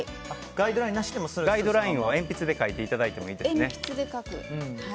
ガイドラインは鉛筆で描いていただいても大丈夫ですね。